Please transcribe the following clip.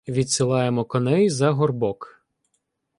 Відсилаємо коней за горбок.